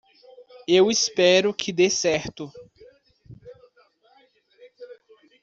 Eu espero que dê certo.